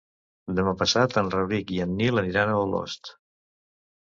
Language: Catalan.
Demà passat en Rauric i en Nil aniran a Olost.